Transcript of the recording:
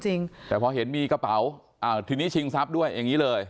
จริงแต่พอเห็นมีกระเป๋าอ่าทีนี้ชิงทรัพย์ด้วยอย่างนี้เลย